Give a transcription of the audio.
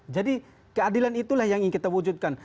jadi keadilan itulah yang kita wujudkan